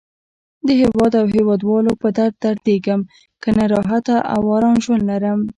د هیواد او هیواد والو په درد دردېږم. کنه راحته او آرام ژوند لرم.